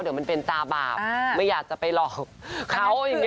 เดี๋ยวมันเป็นตาบาปไม่อยากจะไปหลอกเขาอย่างนี้